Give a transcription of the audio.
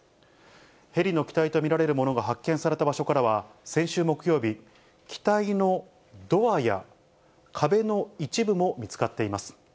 ヘリの機体と見られるものが発見された場所からは、先週木曜日、機体のドアや壁の一部も見つかっています。